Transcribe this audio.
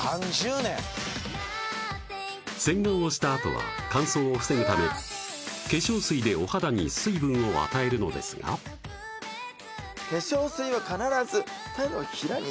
洗顔をしたあとは乾燥を防ぐため化粧水でお肌に水分を与えるのですが化粧水は必ず手の平に取って